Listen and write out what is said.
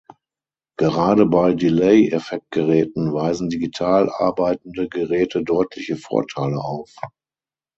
Gerade bei Delay-Effektgeräten weisen digital arbeitende Geräte deutliche Vorteile auf.